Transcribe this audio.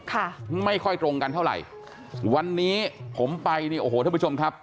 ค่ะไม่ค่อยตรงกันเท่าไหร่วันนี้ผมไปเนี่ยโอ้โหท่านผู้ชมครับ